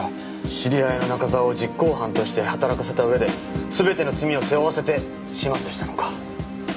知り合いの中沢を実行犯として働かせたうえで全ての罪を背負わせて始末したのか。